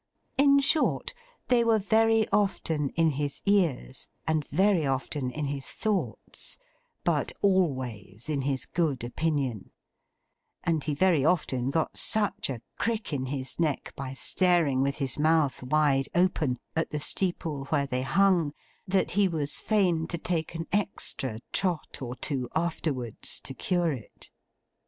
In short, they were very often in his ears, and very often in his thoughts, but always in his good opinion; and he very often got such a crick in his neck by staring with his mouth wide open, at the steeple where they hung, that he was fain to take an extra trot or two, afterwards, to cure it.